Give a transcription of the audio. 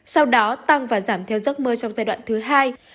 sau đó tăng và giảm theo giấc mơ trong giai đoạn thứ hai